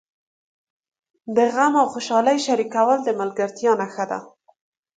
د غم او خوشالۍ شریکول د ملګرتیا نښه ده.